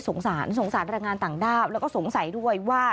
สงสารสงสารแรงงานต่างด้าวแล้วก็สงสัยด้วยว่า